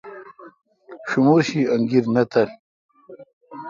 شمور شی انگیر نہ تل۔